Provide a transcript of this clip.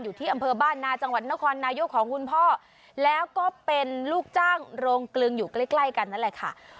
อยู่ที่อำเภอบ้านนาจังหวัดนครนายกของคุณพ่อแล้วก็เป็นลูกจ้างโรงกลึงอยู่ใกล้ใกล้กันนั่นแหละค่ะ